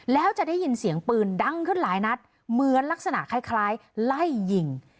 แล้วจะได้ยินเสียงปืนดังขึ้นหลายนัดเหมือนลักษณะคล้ายไล่ยิง